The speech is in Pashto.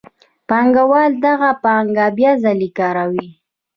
پانګوال دغه پانګه بیا ځلي کاروي